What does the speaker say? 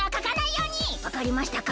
わかりましたか？